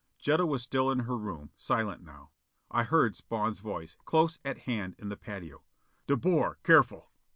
Jetta was still in her room, silent now. I heard Spawn's voice, close at hand in the patio. "De Boer! Careful!"